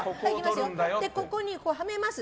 ここにはめます。